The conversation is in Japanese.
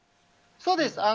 そうです。